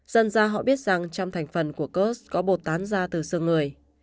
dân gia họ biết rằng trong thành phần của curse có bột tán ra từ xương người